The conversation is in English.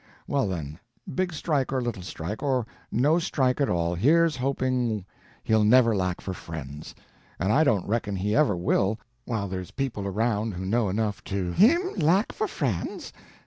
"Well, then, big strike or little strike, or no strike at all, here's hoping he'll never lack for friends—and I don't reckon he ever will while there's people around who know enough to—" "Him lack for friends!"